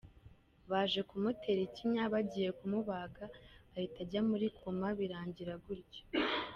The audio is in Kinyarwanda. Baje kumutera ikinya bagiye kumubaga ahita ajya muri muri koma, birangira gutyo.